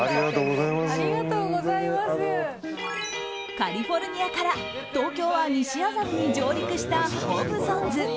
カリフォルニアから東京は西麻布に上陸したホブソンズ。